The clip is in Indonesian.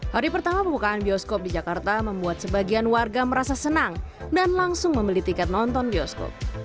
hari pertama pembukaan bioskop di jakarta membuat sebagian warga merasa senang dan langsung membeli tiket nonton bioskop